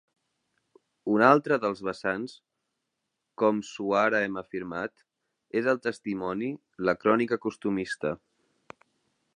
Un altre dels vessants, com suara hem afirmat, és el testimoni, la crònica costumista.